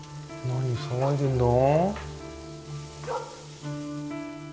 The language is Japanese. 何騒いでんだ。